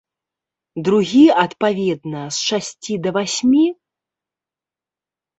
Другі, адпаведна, з шасці да васьмі?